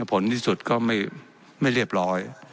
ผลที่สุดก็ไม่เรียบร้อย